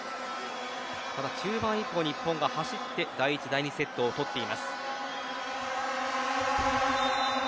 ただ、中盤以降、日本が走って第１第２セットを取っています。